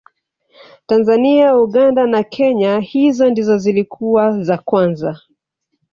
tanzania uganda na kenya hizo ndizo zilikuwa za kwanza